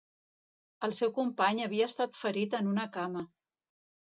El seu company havia estat ferit en una cama.